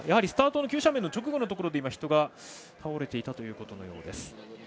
スタートの急斜面の直後のところで今、人が倒れていたということのようです。